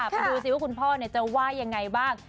มาดูสิว่าคุณพ่อเนี่ยจะวาดยังไงบ้าง